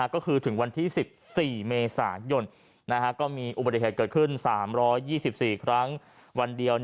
ก็คือถึงวันที่๑๔เมษายนก็มีอุบัติเหตุเกิดขึ้น๓๒๔ครั้งวันเดียว